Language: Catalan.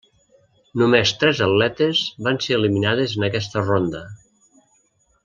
Només tres atletes van ser eliminades en aquesta ronda.